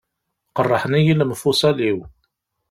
Qerrḥen-iyi lemfuṣal-iw.